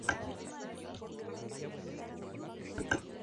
La superficie exterior de la roca está parcialmente cubierta por grafiti.